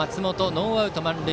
ノーアウト満塁。